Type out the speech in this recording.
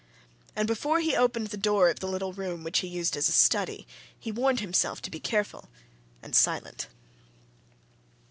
And before he opened the door of the little room which he used as a study he warned himself to be careful and silent.